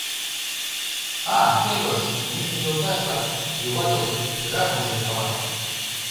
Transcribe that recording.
А тевыс, нине йолташ-влак «юватылыт, жапым шуйкалат»...